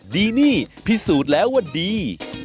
ดีนี่พิสูจน์แล้วว่าดี